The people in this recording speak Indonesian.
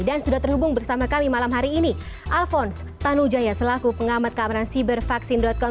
dan sudah terhubung bersama kami malam hari ini alphonse tanujaya selaku pengamat keamanan cybervaccine com